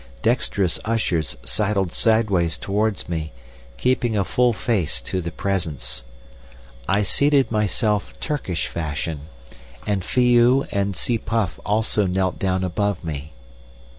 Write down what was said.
Dexterous ushers sidled sideways towards me, keeping a full face to the Presence. I seated myself Turkish fashion, and Phi oo and Tsi puff also knelt down above me.